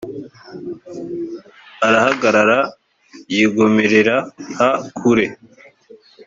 arahagarara yigomerera h kure